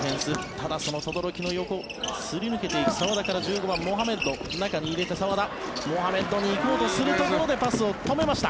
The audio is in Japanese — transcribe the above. ただ、その轟の横すり抜けていく澤田から１５番、モハメッド中に入れて澤田モハメッドに行こうとするところでパスを止めました。